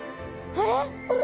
あれ？